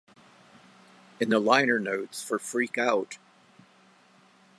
In the liner notes for Freak Out!